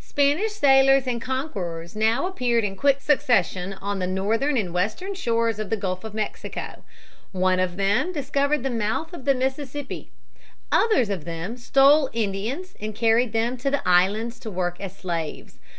Spanish sailors and conquerors now appeared in quick succession on the northern and western shores of the Gulf of Mexico. One of them discovered the mouth of the Mississippi. Others of them stole Indians and carried them to the islands to work as slaves.